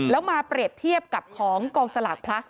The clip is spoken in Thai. แล้วมาเปรียบเทียบกับของกองสลากพลัส